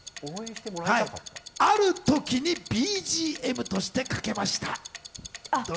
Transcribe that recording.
あるときにＢＧＭとしてかけました。